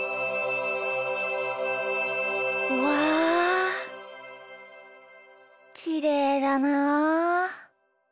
うわきれいだな。